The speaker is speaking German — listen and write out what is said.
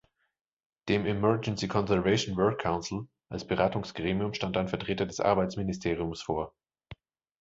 Dem "Emergency Conservation Work Council" als Beratungsgremium stand ein Vertreter des Arbeitsministeriums vor.